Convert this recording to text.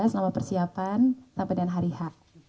selama persiapan tanpa dian hari hak